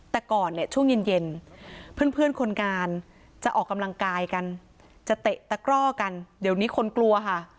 แต่ก่อนเนี่ยช่วงเย็นเพื่อนคนงานจะออกกำลังกายกันจะเตะตะกร่อกันเดี๋ยวนี้คนกลัวค่ะ